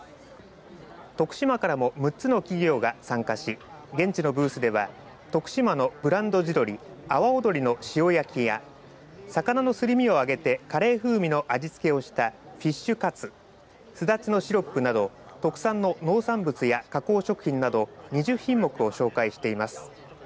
徳島からも６つの企業が参加し現地のブースでは徳島のブランド地鶏阿波尾鶏の塩焼きや魚のすり身を揚げてカレー風味の味付けをしたフィッシュカツスダチのシロップなど特産の農産物や加工食品など２０品目を紹介しています。